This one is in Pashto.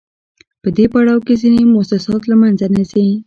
په دې پړاو کې ځینې موسسات له منځه نه ځي